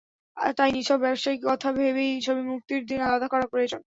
তাই নিছক ব্যবসায়িক কথা ভেবেই ছবি মুক্তির দিন আলাদা করা প্রয়োজন।